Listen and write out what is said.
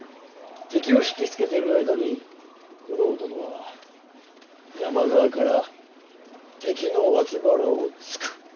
敵を引き付けてる間に九郎殿は山側から敵の脇腹をつく。